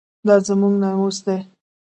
دا زموږ ناموس دی؟